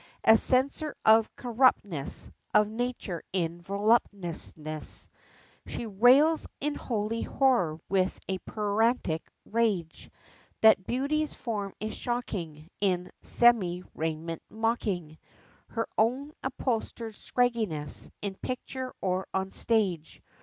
As Censor of corruptousness, Of Nature in voluptousness, She rails in holy horror, with a Puritanic rage, That beauty's form is shocking, In semi raiment mocking, Her own upholstered scragginess in picture or on stage.